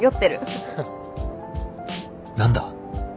何だ？